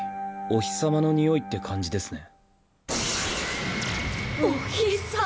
お日様の匂いって感じですね。